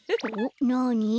なに？